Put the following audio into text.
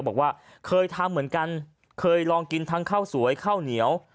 บอกว่าเคยทำเหมือนกันเคยลองกินทั้งข้าวสวยข้าวเหนียว